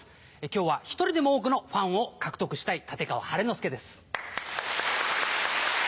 今日は１人でも多くのファンを獲得したい立川晴の輔です。